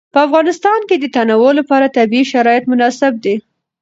په افغانستان کې د تنوع لپاره طبیعي شرایط مناسب دي.